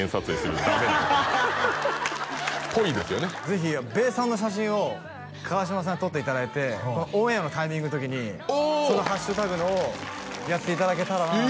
ぜひべーさんの写真を川島さんに撮っていただいてオンエアのタイミングの時にその「＃」のをやっていただけたらなえ！